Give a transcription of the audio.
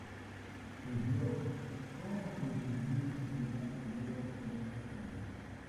Sintió como si sus vidas estuvieran en peligro en ese momento.